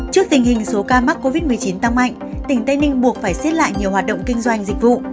trước tình hình số ca mắc covid một mươi chín tăng mạnh tỉnh tây ninh buộc phải xiết lại nhiều hoạt động kinh doanh dịch vụ